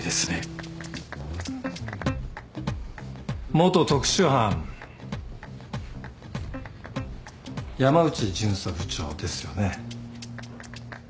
元特殊班山内巡査部長ですよね？